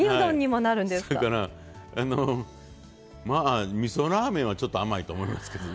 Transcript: それからあのまあみそラーメンはちょっと甘いと思いますけどね。